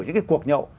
những cái cuộc nhậu